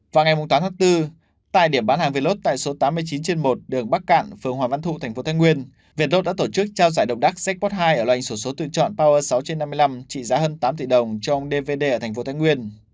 vào ngày mùng toán tháng bốn tại điểm bán hàng vé lốt tại số tám mươi chín trên một đường bắc cạn phường hòa văn thu thành phố thái nguyên vé lốt đã tổ chức trao giải động đắc jackpot hai ở loành số số tự chọn power sáu trên năm mươi năm trị giá hơn tám tỷ đồng cho ông d v d ở thành phố thái nguyên